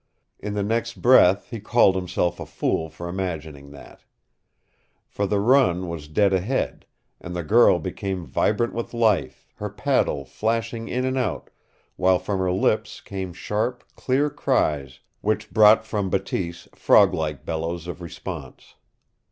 In the next breath he called himself a fool for imagining that. For the run was dead ahead, and the girl became vibrant with life, her paddle flashing in and out, while from her lips came sharp, clear cries which brought from Eateese frog like bellows of response.